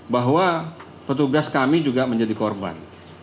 bahwa petugas kami juga menjadi korban